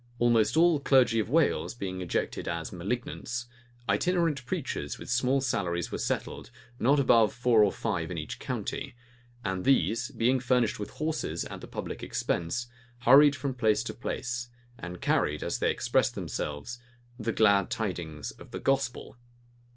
Almost all the clergy of Wales being ejected as malignants, itinerant preachers with small salaries were settled, not above four or five in each county; and these, being furnished with horses at the public expense, hurried from place to place, and carried, as they expressed themselves, the glad tidings of the gospel.